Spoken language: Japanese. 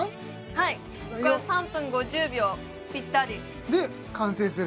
はいこっから３分５０秒ぴったりで完成する？